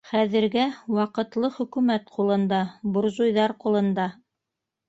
— Хәҙергә Ваҡытлы хөкүмәт ҡулында, буржуйҙар ҡулында.